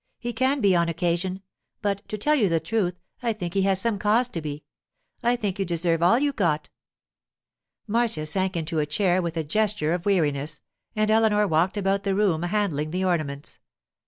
'He can be on occasion. But, to tell you the truth, I think he has some cause to be. I think you deserve all you got.' Marcia sank into a chair with a gesture of weariness, and Eleanor walked about the room handling the ornaments.